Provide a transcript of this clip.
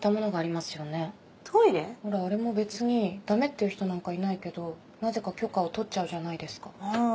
あれも別に「ダメ」って言う人なんかいないけどなぜか許可を取っちゃうじゃないですか。